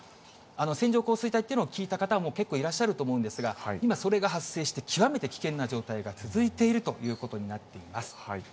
線状降水帯っていうのを聞いた方も結構いらっしゃると思いますが、今、それが発生して、極めて危険な状態が続いているということになっています。